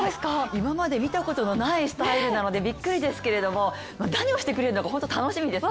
今まで見たことのないスタイルなのでびっくりですが何をしてくれるのか本当に楽しみですね。